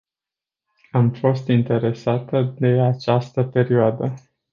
Am fost interesată de această perioadă.